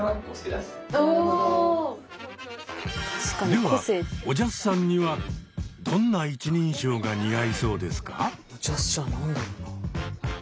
ではおじゃすさんにはどんな一人称が似合いそうですか？